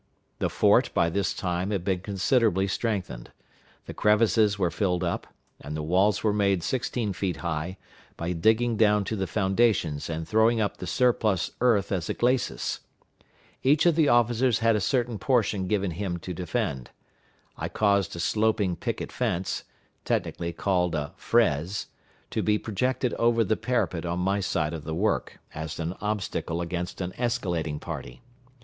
The fort by this time had been considerably strengthened. The crevices were filled up, and the walls were made sixteen feet high, by digging down to the foundations and throwing up the surplus earth as a glacis. Each of the officers had a certain portion given him to defend. I caused a sloping picket fence, technically called a fraise, to be projected over the parapet on my side of the work, as an obstacle against an escalading party.